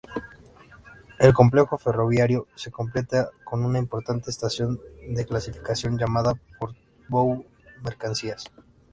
El complejo ferroviario se completa con una importante estación de clasificación llamada Portbou Mercancías.